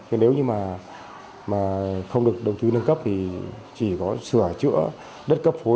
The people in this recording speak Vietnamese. nếu như mà không được đầu tư nâng cấp thì chỉ có sửa chữa đất cấp hối